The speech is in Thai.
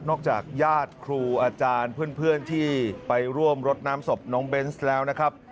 จากญาติครูอาจารย์เพื่อนที่ไปร่วมรดน้ำศพน้องเบนส์แล้วนะครับ